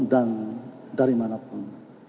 dan dari mana pun